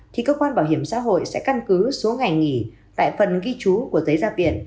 thì cơ quan bảo hiểm xã hội sẽ căn cứ số ngày nghỉ tại phần ghi chú của giấy gia viện